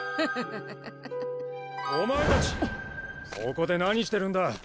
お前たちそこで何してるんだ？